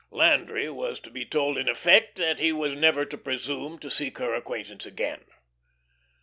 Landry was to be told in effect that he was never to presume to seek her acquaintance again.